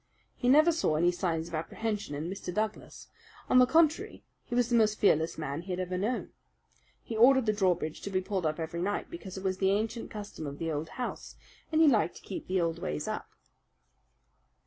He never saw any signs of apprehension in Mr. Douglas: on the contrary, he was the most fearless man he had ever known. He ordered the drawbridge to be pulled up every night because it was the ancient custom of the old house, and he liked to keep the old ways up.